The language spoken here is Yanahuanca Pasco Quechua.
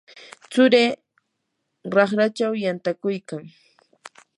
tsurii raqrachaw yantakuykan.